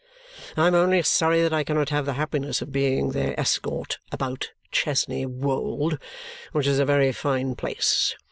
I am only sorry that I cannot have the happiness of being their escort about Chesney Wold, which is a very fine place!